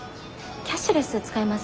キャッシュレス使えます？